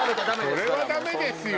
それはダメですよ